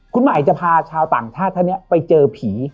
คุณใหม่จะพาชาวต่างชาติท่านนี้ไปเจอผี